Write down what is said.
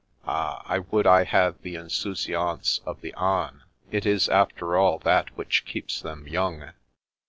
Ah, I would I had the insouciance of the anes. It is after all that which keeps them young."